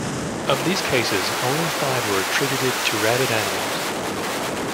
Of these cases, only five were attributed to rabid animals.